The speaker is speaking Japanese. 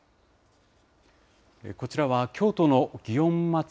こちらは京都の祇園祭。